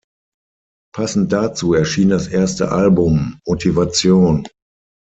Passend dazu erschien das erste Album "Motivation".